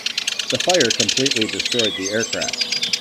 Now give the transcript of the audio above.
The fire completely destroyed the aircraft.